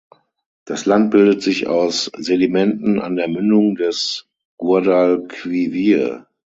Das Land bildet sich aus Sedimenten an der Mündung des Guadalquivir.